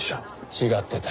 違ってた。